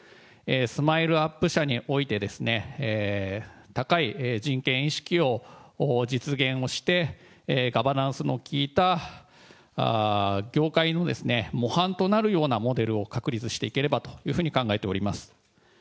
スマイルアップ社において、高い人権意識を実現をして、ガバナンスの効いた業界の模範となるようなモデルを確立していければというふうに考えております。